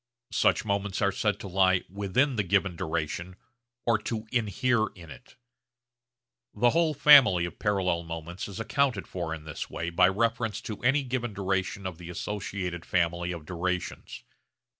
Such moments are said to lie 'within' the given duration or to 'inhere' in it. The whole family of parallel moments is accounted for in this way by reference to any given duration of the associated family of durations.